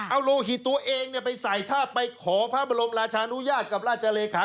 เอาโลหิตตัวเองไปใส่ถ้าไปขอพระบรมราชานุญาตกับราชเลขา